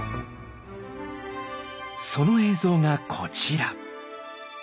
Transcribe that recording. その映像がこちら。